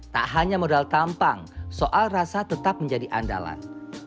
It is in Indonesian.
tak hanya modal tampang soal rasa tetap menjadi andalan